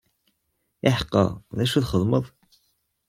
Iḥeqqa, d acu ay txeddmeḍ?